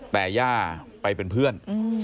แต่ย่าไปเป็นเพื่อน